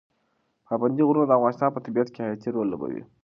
پابندي غرونه د افغانستان په طبیعت کې حیاتي رول لوبوي.